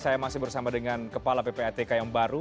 saya masih bersama dengan kepala ppatk yang baru